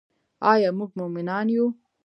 آیا موږ مومنان یو؟